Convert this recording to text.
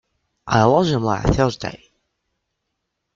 I lost them last Thursday.